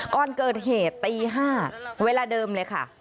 ก่อนเกิดเหตุตี๕เวลาเดิมเลยค่ะ